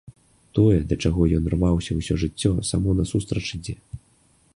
Тое, да чаго ён рваўся ўсё жыццё, само насустрач ідзе.